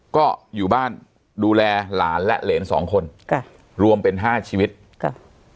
ก็อยู่บ้านดูแลหลานและเหรนสองคนค่ะรวมเป็นห้าชีวิตค่ะ